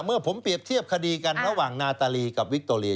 เมื่อผมเปรียบเทียบคดีกันระหว่างนาตาลีกับวิคโตเรีย